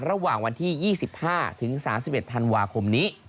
ระหว่างวันที่๒๕ถึง๓๑ธันวาคมนี้